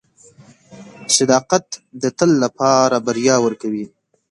• صداقت د تل لپاره بریا ورکوي.